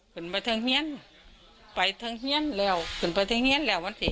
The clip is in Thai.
ขึ้นไปเทิงเฮียนไปเทิงเฮียนแล้ว